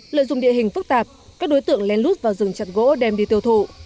lợi dụng địa hình phức tạp các đối tượng len lút vào rừng chặt gỗ đem đi tiêu thụ